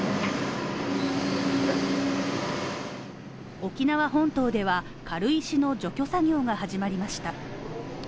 沖縄本島では、軽石の除去作業が始まりました。